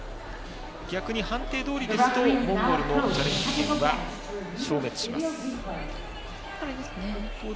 逆に判定どおりですとモンゴルのチャレンジ権は消滅します。